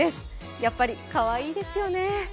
やっぱりかわいいですよね。